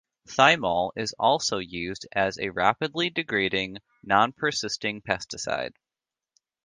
Thymol is also used as a rapidly degrading, non-persisting pesticide.